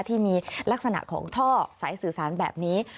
ที่มีลักษณะของท่อสายสื่อสารแบบนี้